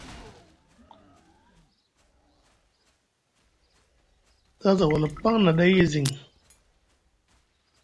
A za wala paŋ na ɗay e ziŋ.